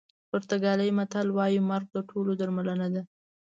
پرتګالي متل وایي مرګ د ټولو درملنه ده.